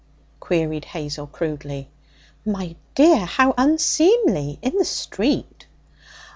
queried Hazel crudely. 'My dear! How unseemly! In the street!'